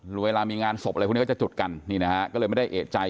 เวลามีงานศพอะไรพวกนี้ก็จะจุดกันนี่นะฮะก็เลยไม่ได้เอกใจ